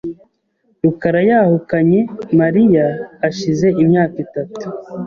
rukara yahukanye Mariya hashize imyaka itatu .